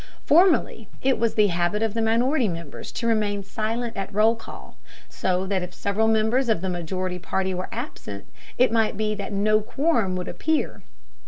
Formerly it was the habit of minority members to remain silent at roll call, so that if several members of the majority party were absent, it might be that no quorum would appear.